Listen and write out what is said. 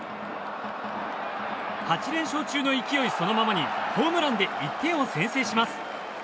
８連勝中の勢いそのままにホームランで１点を先制します。